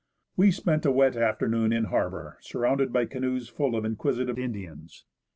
ELIAS We spent a wet afternoon in harbour, surrounded by canoes full of inquisitive Indians.